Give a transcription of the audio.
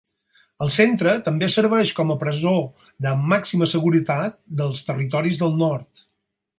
El centre també serveix com a presó de màxima seguretat dels Territoris del Nord.